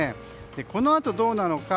このあと、どうなのか。